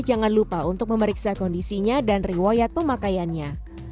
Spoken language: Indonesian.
jangan lupa untuk memeriksa kondisinya dan riwayat pemakaiannya